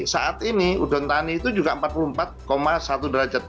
saat ini udon tani itu juga empat puluh empat satu derajat